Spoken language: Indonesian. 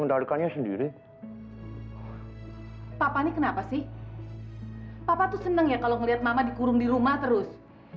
papa tuh seneng ya kalau ngeliat mama dikurung di rumah terus